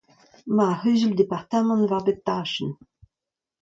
Emañ ar Cʼhuzul-departamant war bep tachenn !